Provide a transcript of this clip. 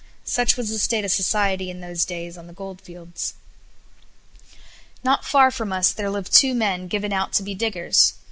Such was the state of society in those days on the goldfields. Not far from us there lived two men given out to be diggers.